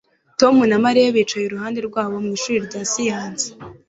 Tom na Mariya bicaye iruhande rwabo mu ishuri rya siyanse